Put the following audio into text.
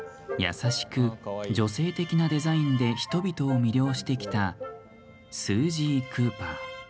優しく、女性的なデザインで人々を魅了してきたスージー・クーパー。